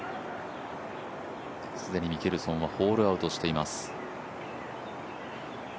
既にミケルソンはホールアウトしています。